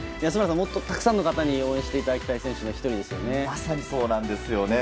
もっとたくさんの方に応援していただきたい選手のまさにそうなんですよね。